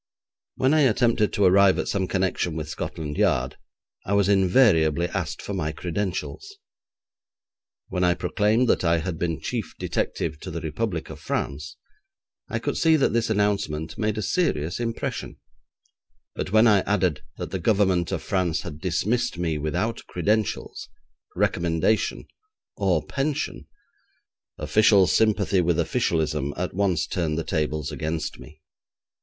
When I attempted to arrive at some connection with Scotland Yard, I was invariably asked for my credentials. When I proclaimed that I had been chief detective to the Republic of France, I could see that this announcement made a serious impression, but when I added that the Government of France had dismissed me without credentials, recommendation, or pension, official sympathy with officialism at once turned the tables against me.